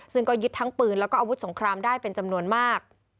ซึ่งก็ยึดทั้งปืนแล้วก็อาวุธสงครามได้เป็นจำนวนมาก